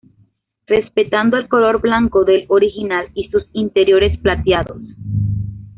Respetando el color blanco del original y sus interiores plateados.